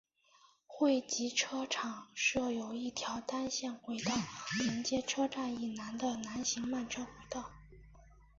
汇集车厂设有一条单线轨道连接车站以南的南行慢车轨道。